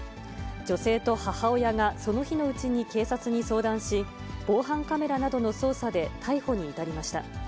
女性と母親がその日のうちに警察に相談し、防犯カメラなどの捜査で逮捕に至りました。